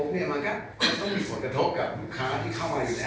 วันมันก็ต้องผิดผลกระทบกับบุคค่าที่เข้ามาอยู่แล้ว